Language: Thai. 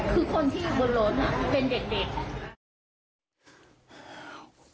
คือคนที่ขับรถเป็นเด็ก